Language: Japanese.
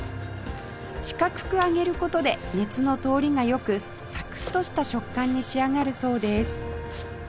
四角く揚げる事で熱の通りが良くサクッとした食感に仕上がるそうです